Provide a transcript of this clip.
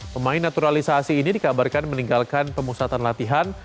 pemain naturalisasi ini dikabarkan meninggalkan pemusatan latihan